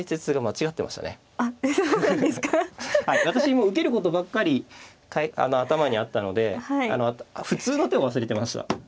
私も受けることばっかり頭にあったので普通の手を忘れてました。